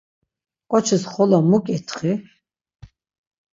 Ǩoçis xolo mu ǩitxi?